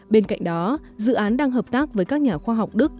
bên cạnh đó dự án đang hợp tác với các nhà khoa học đức